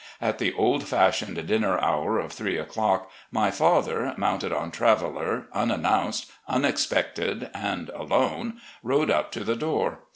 At the old fashioned dinn er hour of three o'clock, my father, mounted on Traveller, unaimounced, unexpected, and alone, rode up to the door.